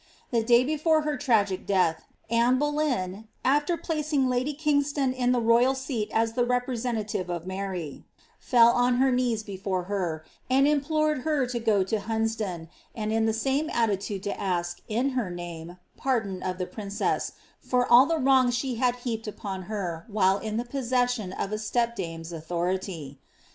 * The day before her tragical death, Anne Boleyn, after placing lady Kingston in the royal seat as the representative of Mary, fell on her knees before her, and implored her to go to Hunsdon, and in the same attitude to ask, in her name, pardon of the princess, for all the wrongs she had heaped upon her, while in possession of a step dame's authority.